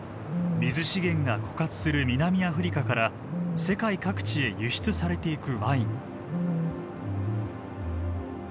水資源が枯渇する南アフリカから世界各地へ輸出されていくワイン。